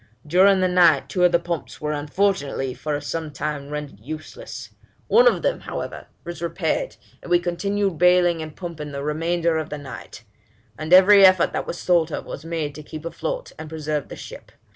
During the night two of the pumps were unfortunately for some time rendered useless; one of them, however, was repaired, and we continued baling and pumping the remainder of the night; and every effort that was thought of was made to keep afloat and preserve the ship.